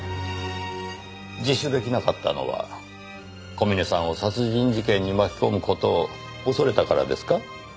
自首出来なかったのは小峰さんを殺人事件に巻き込む事を恐れたからですか？